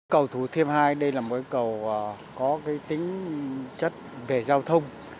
cầu thủ thêm hai đây là một cầu có tính chất về giao thông